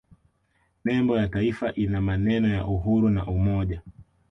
nembo ya taifa ina maneno ya uhuru na umoja